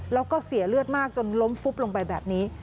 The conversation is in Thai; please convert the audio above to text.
แล้วก็เสียเลือดมากจนล้มฟุบลงไปแบบนี้